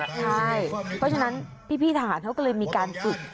เพราะฉะนั้นพี่ท่านก็เลยมีการศึก